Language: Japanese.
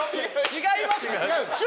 違いますよ。